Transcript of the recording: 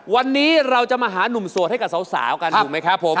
วันนี้เราจะมาหานุ่มโสดให้กับสาวกันถูกไหมครับผม